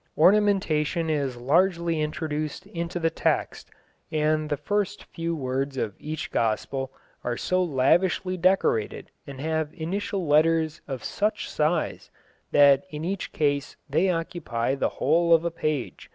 Ornamentation is largely introduced into the text, and the first few words of each Gospel are so lavishly decorated and have initial letters of such size that in each case they occupy the whole of a page.